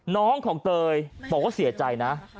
น้องของเตยบอกว่าเสียใจนะ